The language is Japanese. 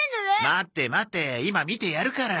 待て待て今見てやるから。